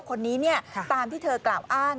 คนนี้ตามที่เธอกล่าวอ้าง